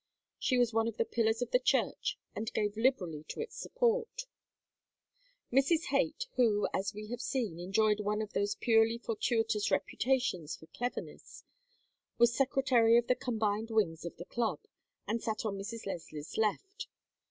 She was one of the pillars of the church and gave liberally to its support. Mrs. Haight, who, as we have seen, enjoyed one of those purely fortuitous reputations for cleverness, was Secretary of the combined wings of the Club, and sat on Mrs. Leslie's left.